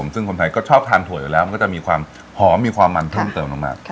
ซึ่งคนไทยก็ชอบทานถั่วอยู่แล้วมันก็จะมีความหอมมีความมันเพิ่มเติมลงมา